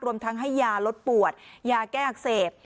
รวมทั้งให้ยาลดปวดยาแก้อักเสบ